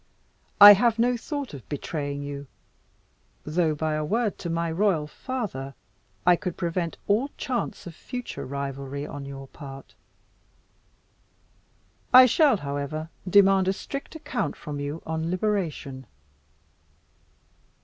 "I have no thought of betraying you; though, by a word to my royal father, I could prevent all chance of future rivalry on your part. I shall, however, demand a strict account from you on liberation."